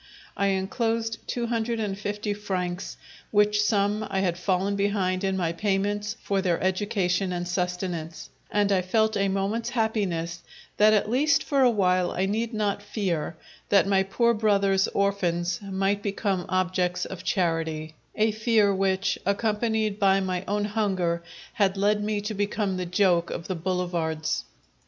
I enclosed two hundred and fifty francs, which sum I had fallen behind in my payments for their education and sustenance, and I felt a moment's happiness that at least for a while I need not fear that my poor brother's orphans might become objects of charity a fear which, accompanied by my own hunger, had led me to become the joke of the boulevards.